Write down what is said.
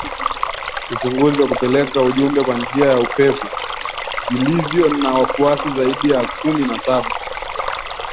uchunguzi wa kupeleka ujumbe kwa njia yaupepo vilivyo na wafuasi zaidi ya kumi na saba